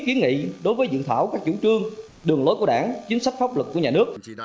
kiến nghị đối với dự thảo các chủ trương đường lối của đảng chính sách pháp luật của nhà nước